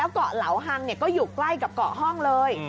กล้อเหลาหังก็อยู่ใคร่กล้อกล้อห้องเลย